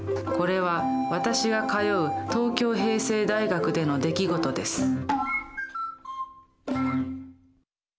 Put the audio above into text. これは私が通う東京平成大学での出来事です。